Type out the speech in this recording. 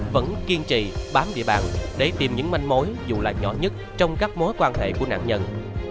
vẫn kiên trì bám địa bàn để tìm những manh mối dù là nhỏ nhất trong các mối quan hệ của nạn nhân